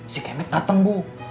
si kemet dateng bu